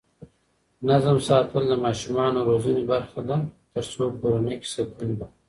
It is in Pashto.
نظم ساتل د ماشومانو روزنې برخه ده ترڅو کورنۍ کې سکون وي.